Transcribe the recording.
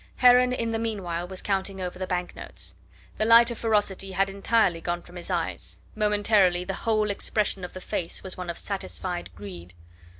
Heron in the meanwhile was counting over the banknotes. The light of ferocity had entirely gone from his eyes; momentarily the whole expression of the face was one of satisfied greed.